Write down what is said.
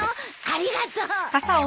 ありがとう！